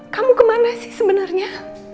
kamu kemana sih sebenarnya